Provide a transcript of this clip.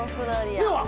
では